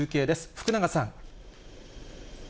福永さん。